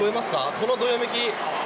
このどよめき。